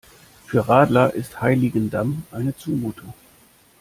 Für Radler ist Heiligendamm eine Zumutung.